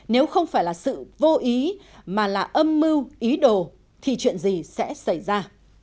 nếu không phải là sự vô ý mà là âm mưu ý đồ thì chuyện gì sẽ xảy ra